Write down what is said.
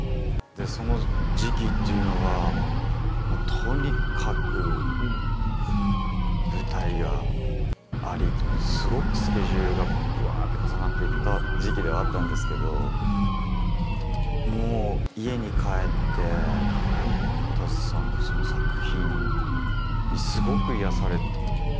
その時期っていうのがもうとにかく舞台がありすごくスケジュールがぶわって重なっていた時期ではあったんですけどもう家に帰ってわたせさんの作品にすごく癒やされましたね。